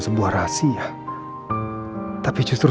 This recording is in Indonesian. sebenarnya pada saat dulu